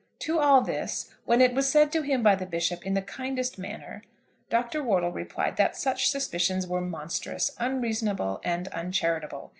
To all this, when it was said to him by the Bishop in the kindest manner, Dr. Wortle replied that such suspicions were monstrous, unreasonable, and uncharitable.